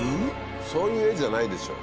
そういう絵じゃないでしょ。